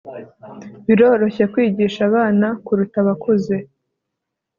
biroroshye kwigisha abana kuruta abakuze